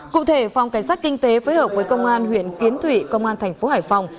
cụ thể phòng cảnh sát kinh tế phối hợp với công an huyện kiến thụy công an tp hải phòng